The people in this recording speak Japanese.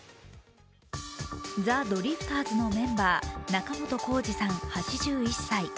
ザ・ドリフターズのメンバー仲本工事さん８１歳。